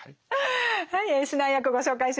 はい指南役ご紹介しましょう。